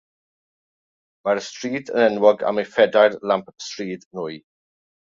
Mae'r stryd yn enwog am ei phedair lamp stryd nwy.